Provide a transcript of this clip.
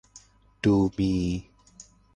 ดูมี